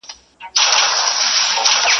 چي هر څو یې مخ پر لوړه کړه زورونه !.